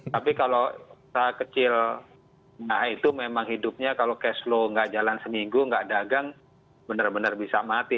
tapi kalau usaha kecil nah itu memang hidupnya kalau cash flow nggak jalan seminggu nggak dagang benar benar bisa mati